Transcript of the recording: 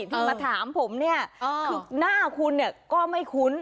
ถึงมาถามผมเนี้ยอ่าหน้าคุณเนี้ยก็ไม่คุ้น